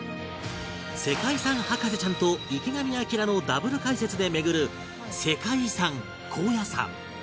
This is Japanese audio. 世界遺産博士ちゃんと池上彰のダブル解説で巡る世界遺産高野山